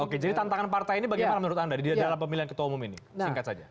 oke jadi tantangan partai ini bagaimana menurut anda di dalam pemilihan ketua umum ini singkat saja